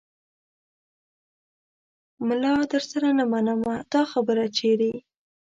ملا درسره نه منمه دا خبره چیرې